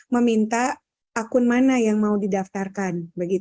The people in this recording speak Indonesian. meminta akun mana yang mau didaftarkan